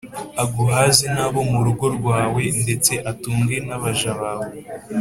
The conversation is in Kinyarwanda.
aguhaze n’abo mu rugo rwawe, ndetse atunge n’abaja bawe